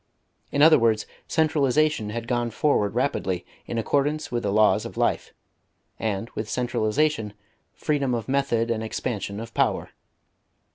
In other words, centralisation had gone forward rapidly, in accordance with the laws of life; and, with centralisation, freedom of method and expansion of power.